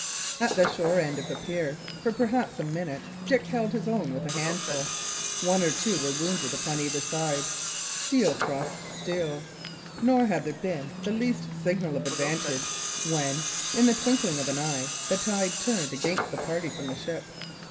At the shore end of the pier, for perhaps a minute, Dick held his own with a handful; one or two were wounded upon either side; steel crossed steel; nor had there been the least signal of advantage, when in the twinkling of an eye the tide turned against the party from the ship.